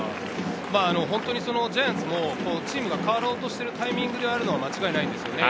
本当にジャイアンツもチームが変わろうとしているタイミングであるのは間違いないですよね。